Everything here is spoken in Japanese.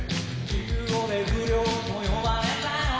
１５で不良と呼ばれたよ